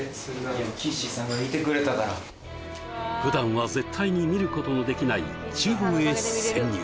普段は絶対に見ることのできない厨房へ潜入